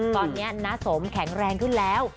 ตอนนี้น้าสมแข็งแรงขึ้นแล้ว